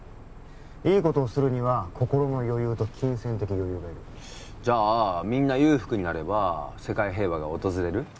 いいことをするには心の余裕と金銭的余裕がいるじゃあみんな裕福になれば世界平和が訪れる？